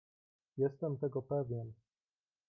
"Jestem tego pewien!"